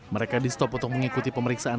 mereka di stop untuk mengikuti pemeriksaan